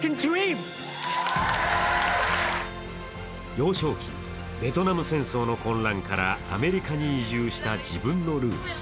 幼少期、ベトナム戦争の混乱からアメリカに移住した自分のルーツ。